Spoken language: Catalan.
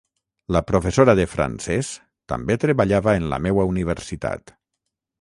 La professora de francés també treballava en la meua Universitat.